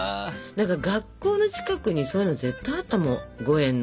何か学校の近くにそういうの絶対あったもん。